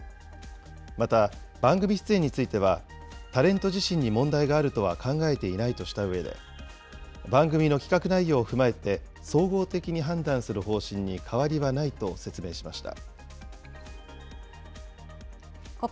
また番組出演については、タレント自身に問題があるとは考えていないとしたうえで、番組の企画内容を踏まえて、総合的に判断する方針に変わりはないと説明しました。